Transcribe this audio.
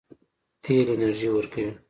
تیل انرژي ورکوي.